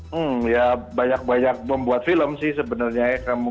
hmm ya banyak banyak membuat film sih sebenarnya ya